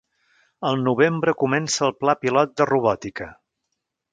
Al novembre comença el pla pilot de robòtica.